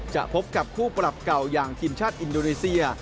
จะพบกับคู่ปรับเก่าอย่างทีมชาติอินโดนีเซีย